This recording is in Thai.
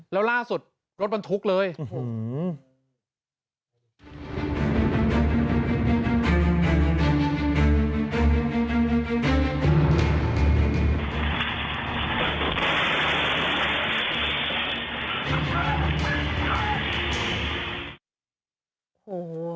แล้วล่าสุดรถบรรทุกเลยอื้อหือ